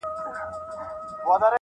• چي د غرونو په لمن کي ښکار ته ساز وو -